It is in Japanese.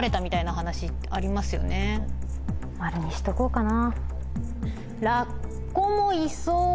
「○」にしとこうかな。